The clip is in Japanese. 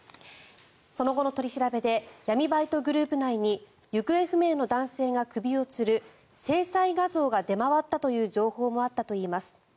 その後の取り調べで闇バイトグループ内に行方不明の男性が首をつる制裁画像が出回ったという情報もあったといいます。